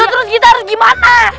terus kita harus gimana